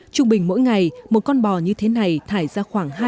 trung bình mỗi ngày một con bò như thế này thải ra khoảng